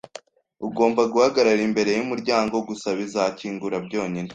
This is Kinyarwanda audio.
Ugomba guhagarara imbere yumuryango gusa. Bizakingura byonyine.